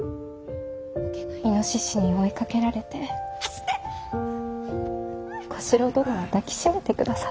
イノシシに追いかけられて小四郎殿は抱き締めてくださった。